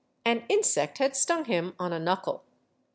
An insect had stung him on a knuckle.